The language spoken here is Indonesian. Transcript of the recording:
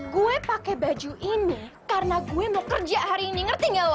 gue pakai baju ini karena gue mau kerja hari ini ngerti gak lo